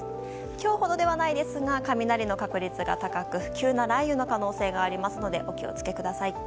今日ほどではないですが雷の確率が高く急な雷雨の可能性がありますのでお気をつけください。